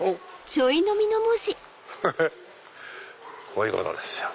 こういうことですよ。